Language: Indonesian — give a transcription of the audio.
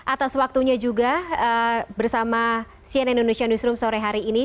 atas waktunya juga bersama cnn indonesia newsroom sore hari ini